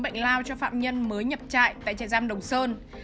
bệnh lao cho phạm nhân mới nhập trại tại trại giam đồng sơn